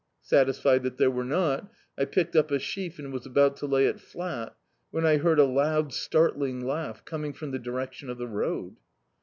Satisfied that there were not, I picked up a sheaf, and was about to lay it flat, when I heard a loud startling laug^ coming from the directicsi of the road.